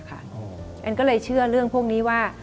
อันก็เลยเชื่อเรื่องพวกนี้ว่า